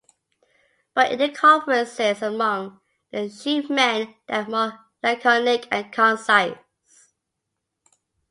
But in the Conferences among their chief Men they are more Laconick and concise.